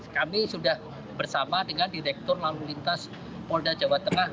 kami sudah bersama dengan direktur lalu lintas polda jawa tengah